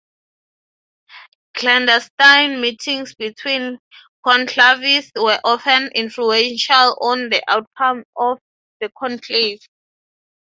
Clandestine meetings between conclavists were often influential on the outcome of the conclave.